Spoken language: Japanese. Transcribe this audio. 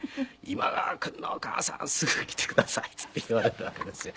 「今川君のお母さんすぐ来てください」って言われていたわけですよ。